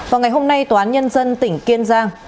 vào ngày hôm nay tòa án nhân dân tỉnh kiên giang